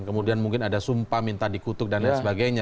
kemudian mungkin ada sumpah minta dikutuk dan lain sebagainya